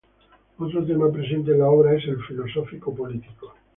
Otro tema presente en la obra es el filosófico-político.